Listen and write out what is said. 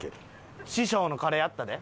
師匠のカレーあったで。